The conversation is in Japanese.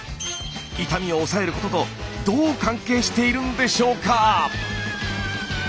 痛みを抑えることとどう関係しているんでしょうか？